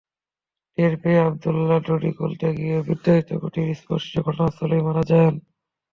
টের পেয়ে আবদুল্যাহ দড়ি খুলতে গিয়ে বিদ্যুতায়িত খুঁটির স্পর্শে ঘটনাস্থলেই মারা যান।